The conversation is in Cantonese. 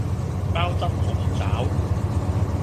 鮑汁鳳爪